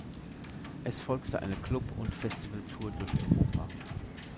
Es folgte eine Club- und Festivaltour durch Europa.